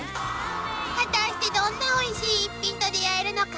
［果たしてどんなおいしい逸品と出合えるのか？］